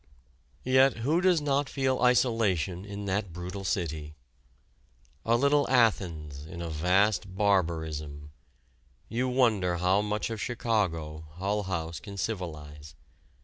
Yet who does not feel its isolation in that brutal city? A little Athens in a vast barbarism you wonder how much of Chicago Hull House can civilize.